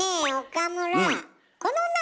岡村。